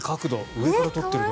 上から撮っているんだ。